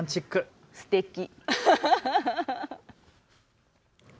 すてき！